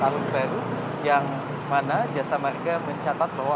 pada bulan natal dan tahun baru yang mana jasa mereka mencatat bahwa